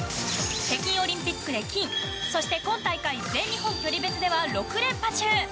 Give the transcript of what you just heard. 北京オリンピックで金そして今大会全日本距離別選手権では６連覇中。